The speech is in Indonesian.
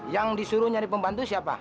yang disuruh nyari pembantu siapa